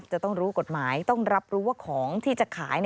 จะต้องรู้กฎหมายต้องรับรู้ว่าของที่จะขาย